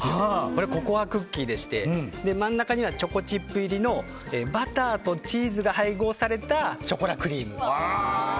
これはココアクッキーでして真ん中にはチョコチップ入りのバターとチーズが配合されたショコラクリーム。